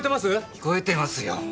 聞こえてますよ。